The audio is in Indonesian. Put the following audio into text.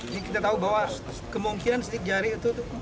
jadi kita tahu bahwa kemungkinan sidik jari itu